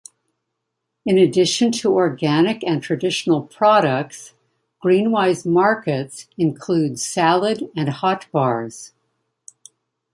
In addition to organic and traditional products, GreenWise Markets include salad and hot bars.